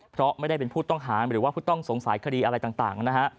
เพราะไม่ได้เป็นผู้ต้องหาหรือว่าผู้ต้องสงสัยคดีอะไรต่างนะฮะ